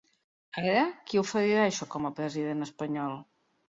Ara, qui oferirà això, com a president espanyol?